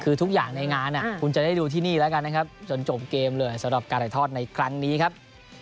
คือทุกอย่างในงานคุณจะได้ดูที่นี่แล้วกันนะครับจนจบเกมเลยสำหรับการถ่ายทอดในครั้งนี้ครับ